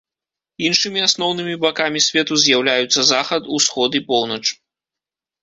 Іншымі асноўнымі бакамі свету з'яўляюцца захад, усход і поўнач.